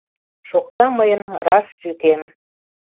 Шокта мыйын раш йӱкем.